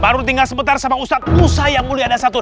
baru tinggal sebentar sama ustadz musa yang mulia